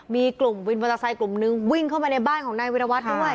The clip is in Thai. มีกลุ่มวินมอเตอร์ไซค์กลุ่มนึงวิ่งเข้ามาในบ้านของนายวิรวัตรด้วย